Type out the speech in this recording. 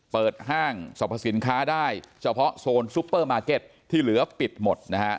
ห้างสรรพสินค้าได้เฉพาะโซนซุปเปอร์มาร์เก็ตที่เหลือปิดหมดนะฮะ